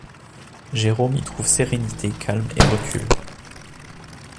Jérôme y trouve sérénité, calme et recul.